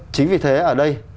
chính vì thế ở đây